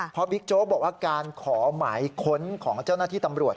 พอบิ๊กโจ๊กบอกว่าการขอหมายค้นของเจ้าหน้าที่ตำรวจ